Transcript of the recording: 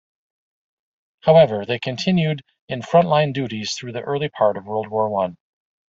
However, they continued in front-line duties through the early part of World War One.